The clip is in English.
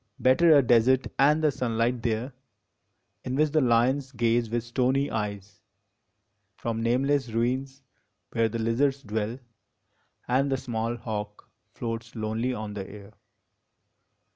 Better a desert and the sunlight there, In which the lions gaze with stony eyes From nameless ruins where the lizards dwell, And the small hawk floats lonely on the air.